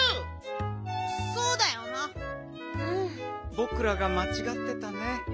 ぼくらがまちがってたね。